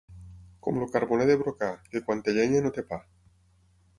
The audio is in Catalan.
Com el carboner de Brocà, que quan té llenya no té pa.